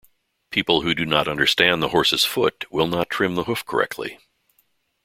People who do not understand the horse's foot will not trim the hoof correctly.